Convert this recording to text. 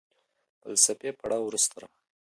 فلسفي پړاو وروسته راغی.